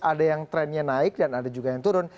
ada yang trennya naik dan ada juga yang turun